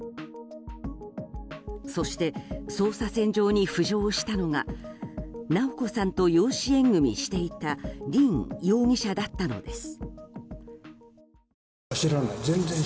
そして、捜査線上に浮上したのが直子さんと養子縁組していた凜容疑者だったのです。